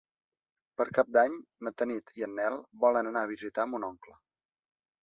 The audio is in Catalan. Per Cap d'Any na Tanit i en Nel volen anar a visitar mon oncle.